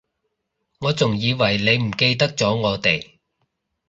我仲以為你唔記得咗我哋